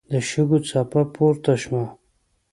د شګو څپه پورته شوه.